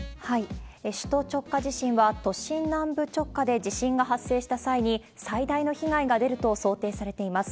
首都直下地震は、都心南部直下で地震が発生した際に、最大の被害が出ると想定されています。